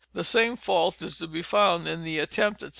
The same fault is to be found in the "Attempt &c.